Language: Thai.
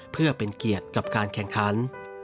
เพื่อเป็นเกียรติกับการแข่งขัน